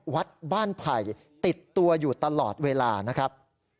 วัดบ้านไผ่ติดตัวอยู่ตลอดเวลานะครับ